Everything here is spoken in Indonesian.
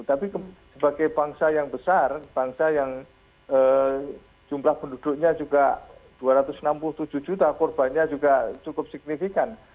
tapi sebagai bangsa yang besar bangsa yang jumlah penduduknya juga dua ratus enam puluh tujuh juta korbannya juga cukup signifikan